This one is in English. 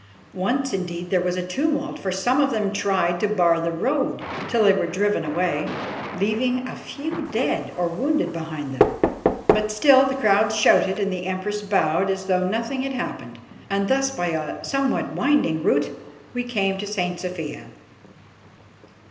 Once, indeed, there was a tumult, for some of them tried to bar the road, till they were driven away, leaving a few dead or wounded behind them. But still the crowds shouted and the Empress bowed as though nothing had happened, and thus by a somewhat winding route, we came to St. Sophia.